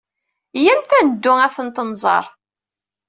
Iyyamt ad neddu ad tent-nẓer.